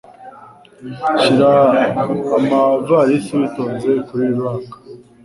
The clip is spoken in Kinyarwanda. Shira amavalisi witonze kuri rack.